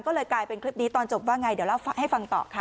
ก็เลยกลายเป็นคลิปนี้ตอนจบว่าไงเดี๋ยวเล่าให้ฟังต่อค่ะ